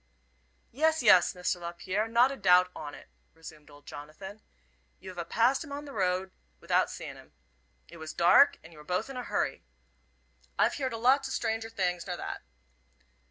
"Yes, yes, Mr. Lapierre, not a doubt on it," resumed old Jonathan, "you've a passed him on the road athout seein' 'im. It was dark, and you were both in a hurry. I've heerd o' lots o' stranger things nor that."